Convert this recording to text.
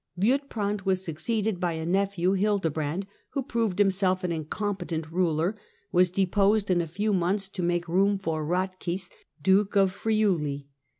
Liutprand was succeeded by a nephew Hildebrand, vho, proving himself an incompetent ruler, was deposed u a few months to make room for Eatchis, Duke of Ratchis ^riuli.